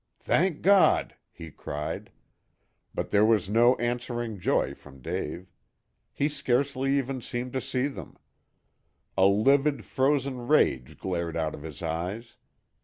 "Thank God!" he cried. But there was no answering joy from Dave. He scarcely even seemed to see them. A livid, frozen rage glared out of his eyes.